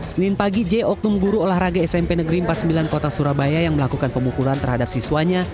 senin pagi j oknum guru olahraga smp negeri empat puluh sembilan kota surabaya yang melakukan pemukulan terhadap siswanya